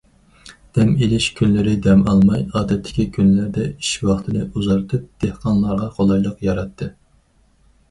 دەم ئېلىش كۈنلىرى دەم ئالماي، ئادەتتىكى كۈنلەردە ئىش ۋاقتىنى ئۇزارتىپ، دېھقانلارغا قولايلىق ياراتتى.